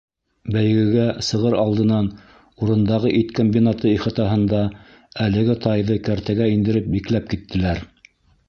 Бәйгегә сығыр алдынан урындағы ит комбинаты ихатаһында әлеге тайҙы кәртәгә индереп бикләп киттеләр.